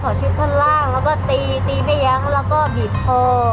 ขอชิบข้างล่างแล้วก็ตีตีไม่ยังแล้วก็บีบพอ